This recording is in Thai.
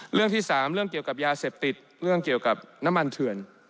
เรื่องที่๓เรื่องเกี่ยวกับยาเสพติดเรื่องเกี่ยวกับน้ำมันเถื่อน